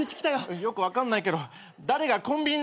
よく分かんないけど誰がコンビニなんか寄るか！